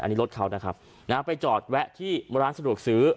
อันนี้รถเขานะครับนะฮะไปจอดแวะที่ร้านสะดวกซื้อ